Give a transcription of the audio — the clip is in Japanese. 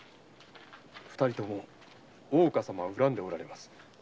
二人とも大岡様を恨んでおられます。